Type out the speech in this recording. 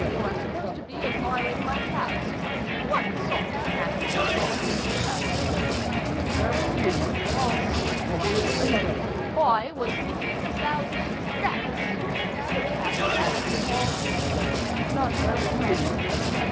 You were supposed to be admiring my clouds. What sort of animals were you thinking about?" "Oh all sorts." "I was thinking about rabbits. Do you care for rabbits at all?" "Not very much."